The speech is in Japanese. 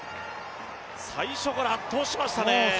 最初から圧倒しましたね。